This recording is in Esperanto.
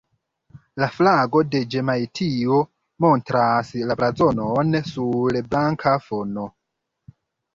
La flago de Ĵemajtio montras la blazonon sur blanka fono.